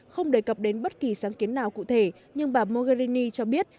không đề cập đến bất kỳ sáng kiến nào cụ thể nhưng bà mogherini cho biết